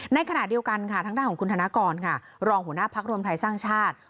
ในขณะเดียวกันค่ะทางด้านของคุณธนกรค่ะรองหัวหน้าพักรวมไทยสร้างชาติ